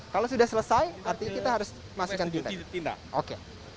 kalau sudah selesai artinya kita harus masukkan juga